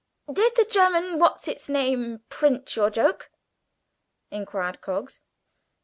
"Did the German what's its name print your joke?" inquired Coggs.